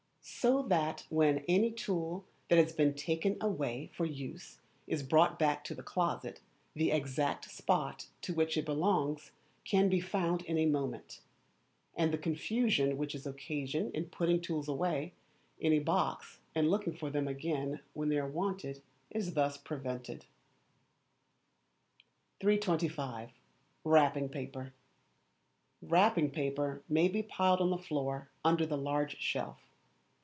So that when any tool that has been taken away for use is brought back to the closet, the exact spot to which it belongs can be found in a moment; and the confusion which is occasioned in putting tools away in a box and looking for them again when they are wanted, is thus prevented. 325. Wrapping Paper. Wrapping paper may be piled on the floor under the large shelf.